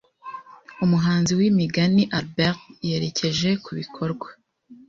Umuhanzi wImiganiAlbert yerekeje ku bikorwa